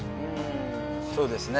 そうですね